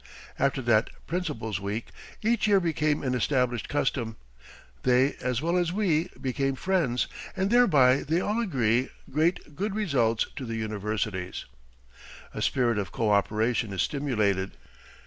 After that "Principals' Week" each year became an established custom. They as well as we became friends, and thereby, they all agree, great good results to the universities. A spirit of coöperation is stimulated.